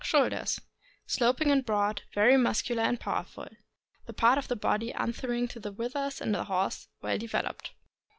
Shoulders. — Sloping and broad, very muscular and pow erful. The part of the body answering to the withers in the horse, well developed.